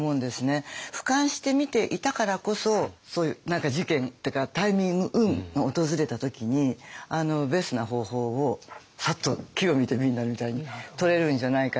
俯瞰して見ていたからこそそういう何か事件っていうかタイミング運が訪れた時にベストな方法をサッと機を見て敏みたいにとれるんじゃないかなって。